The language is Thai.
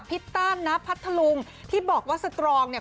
ิตต้านนะพัทธลุงที่บอกว่าสตรองเนี่ย